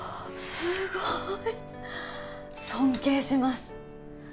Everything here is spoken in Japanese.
すごーい尊敬します